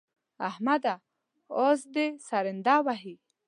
احمده! اس دې سرنده وهي.